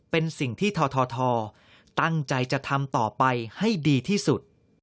เป็นสิ่งที่ททตั้งใจจะทำต่อไปให้ดีที่สุด